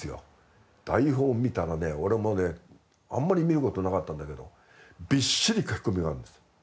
台本を見たらね俺もうねあんまり見る事なかったんだけどびっしり書き込みがあるんです。